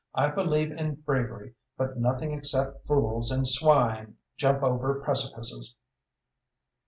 I believe in bravery, but nothing except fools and swine jump over precipices."